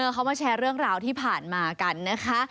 เขามาแชร์เรื่องราวที่ผ่านมากันนะคะ